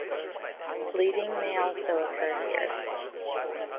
Bleeding may also occur here.